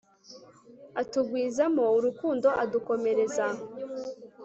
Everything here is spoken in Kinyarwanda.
atugwizamo urukundo, adukomereza